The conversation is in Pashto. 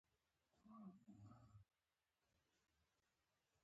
که بدن کې مالګه زیاته شي، نو تاوان لري.